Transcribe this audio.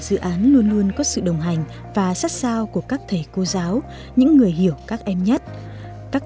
dự án luôn luôn có sự đồng hành và sát sao của các thầy cô giáo những người hiểu các em nhất các